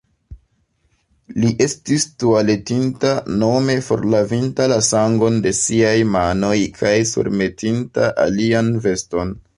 Li estis tualetinta, nome forlavinta la sangon de siaj manoj kaj surmetinta alian veston.